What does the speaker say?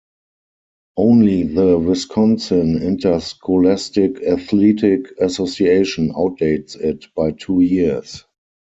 Only the Wisconsin Interscholastic Athletic Association outdates it, by two years.